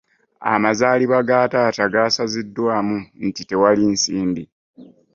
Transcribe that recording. Amazaalibwa ga taata gasaziddwaamu anti tewali nsimbi.